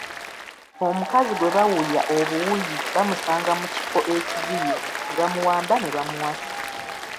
Omukazi gwe bawuya obuwuyi bamusanga mu kifo ekiziyivu ne bamuwamba ne bamuwasa.